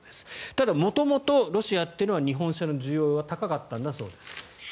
ただ、元々ロシアというのは日本車の需要は高かったんだそうです。